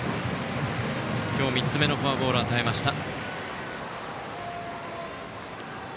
今日３つ目のフォアボールを与えました。